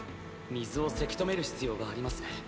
水をせき止める必要がありますね。